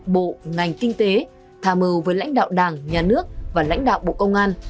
bộ ngành kinh tế tham mưu với lãnh đạo đảng nhà nước và lãnh đạo bộ công an